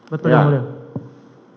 betul yang mulia